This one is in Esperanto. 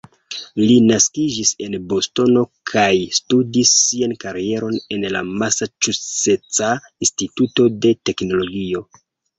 Li naskiĝis en Bostono kaj studis sian karieron en la Masaĉuseca Instituto de Teknologio.